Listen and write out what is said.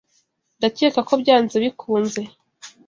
Ndakeka ko byanze bikunze.